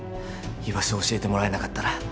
居場所を教えてもらえなかったら？